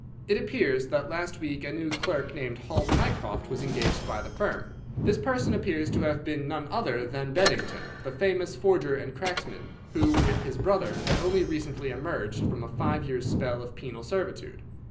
It appears that last week a new clerk named Hall Pycroft was engaged by the firm. This person appears to have been none other than Beddington, the famous forger and cracksman, who, with his brother, had only recently emerged from a five years' spell of penal servitude.